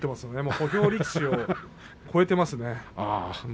小兵力士を超えていますね。